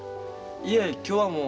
いえ今日はもう。